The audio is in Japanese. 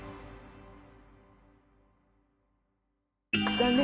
残念。